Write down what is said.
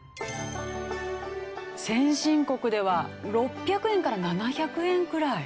先進国では６００円から７００円くらい。